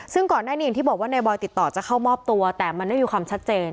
ซึ่งก่อนหน้านี้อย่างที่บอกว่านายบอยติดต่อจะเข้ามอบตัวแต่มันไม่มีความชัดเจน